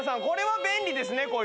これは便利ですね